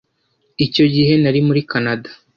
icyo gihe, nari muri kanada